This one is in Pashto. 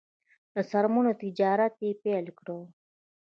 د څرمنو تجارت یې پیل کړ.